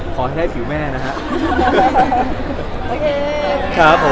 ขอให้ผิวแม่นะครับ